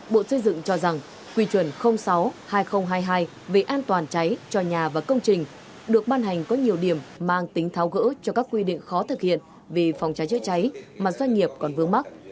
bộ xây dựng cho rằng quy chuẩn sáu hai nghìn hai mươi hai về an toàn cháy cho nhà và công trình được ban hành có nhiều điểm mang tính tháo gỡ cho các quy định khó thực hiện vì phòng cháy chữa cháy mà doanh nghiệp còn vương mắc